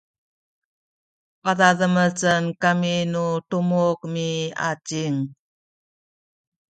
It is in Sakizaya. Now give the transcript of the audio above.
padademecen kami nu tumuk miacin